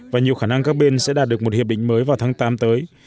và nhiều khả năng các bên sẽ đạt được một hiệp định mới vào tháng tám tới